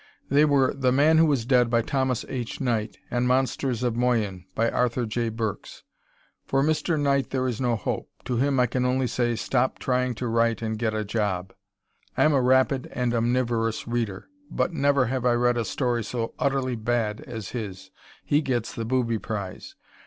They were "The Man who was Dead," by Thomas H. Knight and "Monsters of Moyen," by Arthur J. Burks. For Mr. Knight there is no hope. To him I can only say "Stop trying to write and get a job." I am a rapid and omnivorous reader, but never have I read a story so utterly bad as his. He gets the booby prize.